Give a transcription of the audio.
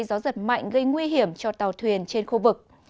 gió giật mạnh gây nguy hiểm cho tàu thuyền trên khu vực